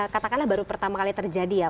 katakanlah baru pertama kali terjadi ya